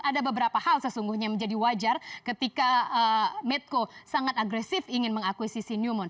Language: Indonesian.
ada beberapa hal sesungguhnya menjadi wajar ketika medco sangat agresif ingin mengakuisisi newmont